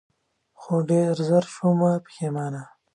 خو ډېر زر شومه پښېمانه